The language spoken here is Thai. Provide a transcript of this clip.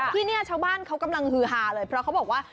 ที่นี่ชาวบ้านเขากำลังฮือฮาเลยเพราะเขาบอกว่า